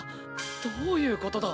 どういうことだ？